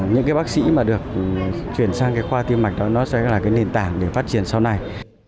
những cái bác sĩ mà được chuyển sang cái khoa tiêm mạch đó nó sẽ là cái nền tảng để phát triển sau này